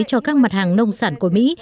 cho các mặt hàng nông sản của mỹ